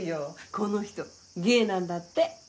この人ゲイなんだって。